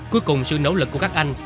cuối cùng sự nỗ lực của các anh